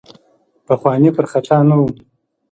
پخواني پر خطا نه وو.